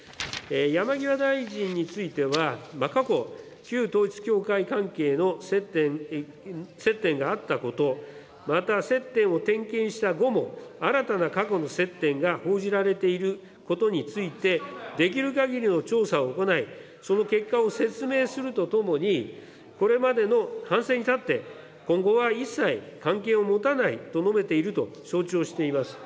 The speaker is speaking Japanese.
山際大臣については、過去、旧統一教会関係の接点があったこと、また接点を点検した後も、新たな過去の接点が報じられていることについて、できるかぎりの調査を行い、その結果を説明するとともに、これまでの反省に立って、今後は一切関係を持たないと述べていると承知をしています。